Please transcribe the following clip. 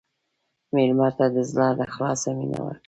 مېلمه ته د زړه له اخلاصه مینه ورکړه.